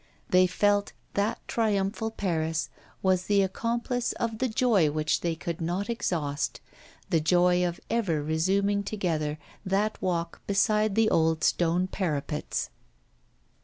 They felt that triumphal Paris was the accomplice of the joy which they could not exhaust, the joy of ever resuming together that walk beside the old stone parapets.